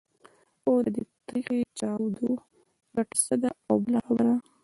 خو د دې تریخې چاودو ګټه څه ده؟ او بله خبره.